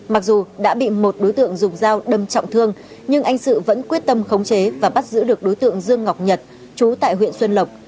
mặc dù đã bị một đối tượng dùng dao đâm trọng thương nhưng anh sự vẫn quyết tâm khống chế và bắt giữ được đối tượng dương ngọc nhật chú tại huyện xuân lộc